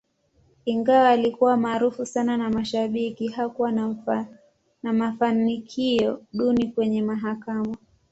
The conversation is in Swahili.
Ingawa alikuwa maarufu sana na mashabiki, hakuwa na mafanikio duni kwenye mahakama.